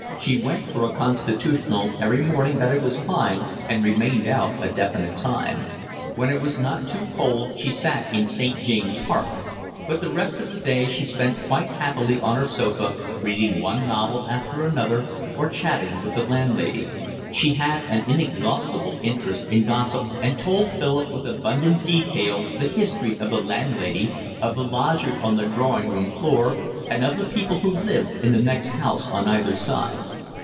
She went for a 'constitutional' every morning that it was fine and remained out a definite time. When it was not too cold she sat in St. James' Park. But the rest of the day she spent quite happily on her sofa, reading one novel after another or chatting with the landlady; she had an inexhaustible interest in gossip, and told Philip with abundant detail the history of the landlady, of the lodgers on the drawing room floor, and of the people who lived in the next house on either side.